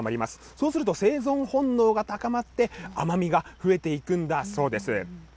そうすると、生存本能が高まって、甘みが増えていくんだそうです。